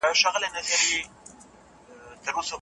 سود په ټولنه کي بې غني راولي.